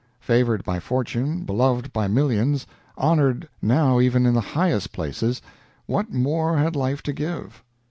Favored by fortune, beloved by millions, honored now even in the highest places, what more had life to give?